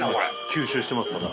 吸収してますから。